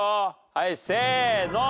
はいせーの。